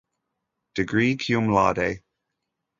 Degree cum laude.